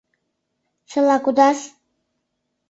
Чыла кудаш!